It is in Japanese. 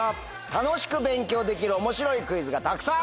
楽しく勉強できる面白いクイズがたくさん！